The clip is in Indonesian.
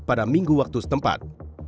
pada minggu waktu setempat